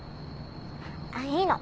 あっいいの。